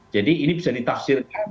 jadi ini bisa ditafsirkan